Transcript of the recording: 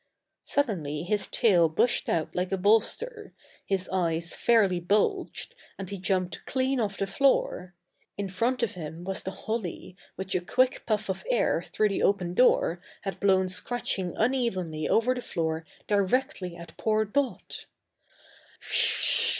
Suddenly his tail bushed out like a bolster, his eyes fairly bulged, and he jumped clean off the floor. In front of him was the holly which a quick puff of air through the open door had blown scratching unevenly over the floor directly at poor Dot.